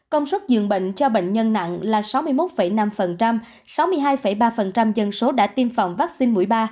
công suất dường bệnh cho bệnh nhân nặng là sáu mươi một năm sáu mươi hai ba dân số đã tiêm phòng vaccine mũi ba